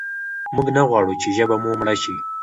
موږ نه غواړو چې ژبه مو مړه شي.